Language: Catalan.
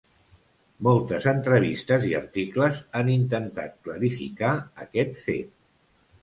Moltes entrevistes i articles han intentat clarificar aquest fet.